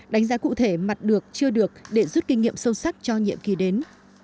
đánh giá cụ thể mặt được chưa được để rút kinh nghiệm sâu sắc cho nhiệm kỳ đến